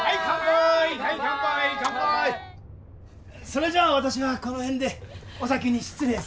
それじゃあ私はこの辺でお先に失礼するよ。